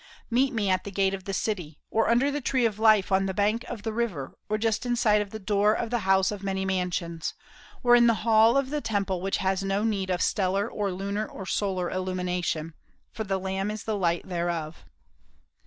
Meet me at the gate of the city; or under the tree of life on the bank of the river; or just inside of the door of the House of Many Mansions; or in the hall of the Temple which has no need of stellar or lunar or solar illumination, "For the Lamb is the Light thereof."